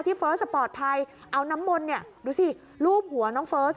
ที่เฟิร์สปอดภัยเอาน้ำมนเนี้ยดูสิลูบหัวน้องเฟิร์ส